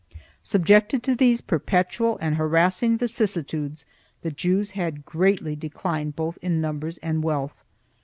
2 Subjected to these perpetual and harassing vicissitudes, the Jews had greatly declined both in numbers and wealth.